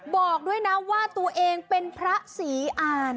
บอกด้วยนะว่าตัวเองเป็นพระศรีอ่าน